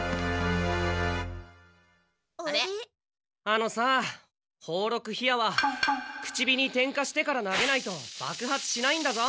あのさ宝禄火矢は口火に点火してから投げないとばく発しないんだぞ。